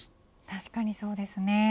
確かにそうですね。